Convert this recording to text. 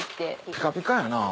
ピカピカやな。